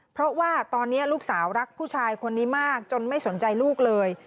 เพราะว่าตอนนี้ลูกสาวรักผู้ชายคนนี้มากจนไม่สนใจลูกเลย